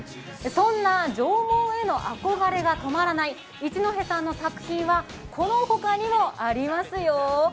そんな縄文への憧れが止まらない一戸さんの作品はこのほかにもありますよ。